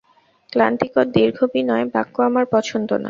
ক্লান্তিকর দীর্ঘ বিনয় বাক্য আমার পছন্দ নয়।